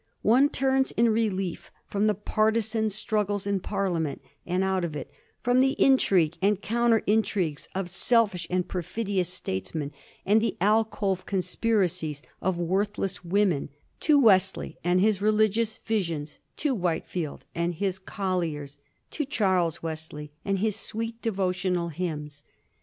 One turns in relief from the partisan strug gles in Parliament and out of it, from the intrigues and counter intrigues of selfish and perfidious statesmen, and 1738. THE WESLEYAN WORE. 145 the alcove conspiracies of worthless women, to Wesley and his religious visions, to Whitefield and his colliers, to Charles Wesley and his sweet devotional hymns.